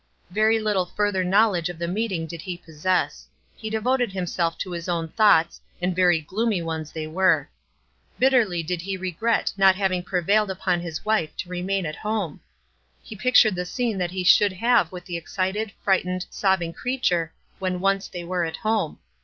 Veiy little further knowledge of the meeting did he possess. He devoted him self to his own thoughts, and very gloomy ones they were. Bitterly did he regret not having prevailed upon his wife to remain at home. He pictured the scene that he should have with the excited, frightened, sobbing creature when once they were at home.